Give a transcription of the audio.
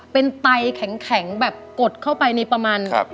เป็นไตแข็งแบบกดเข้าไปในประมาณ